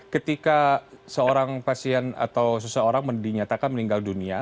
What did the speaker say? ketika seorang pasien atau seseorang dinyatakan meninggal dunia